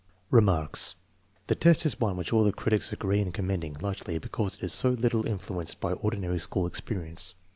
Remarks. The test is one which all the critics agree in commending, largely because it is so little influenced by ordinary school experience.